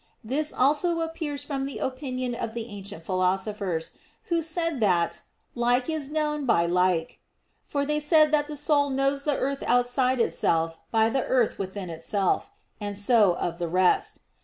This also appears from the opinion of the ancient philosophers, who said that "like is known by like." For they said that the soul knows the earth outside itself, by the earth within itself; and so of the rest.